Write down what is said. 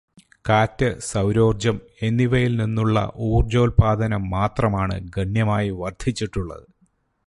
കാറ്റ്, സൗരോർജം എന്നിവയിൽ നിന്നുള്ള ഊർജോല്പാദനം മാത്രമാണ് ഗണ്യമായി വർധിച്ചിട്ടുള്ളത്.